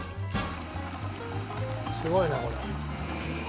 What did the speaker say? すごいなこれ。